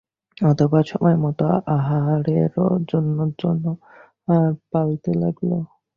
অথবা সময়মত আহারেরও জন্য জানোয়ার পালতে লাগল।